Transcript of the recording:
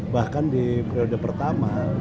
bahkan di periode pertama